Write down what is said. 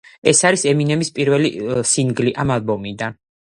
ეს არის ემინემის პირველი სინგლი ამ ალბომიდან.